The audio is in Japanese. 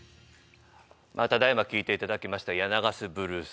ただいま聴いていただきました「柳ヶ瀬ブルース」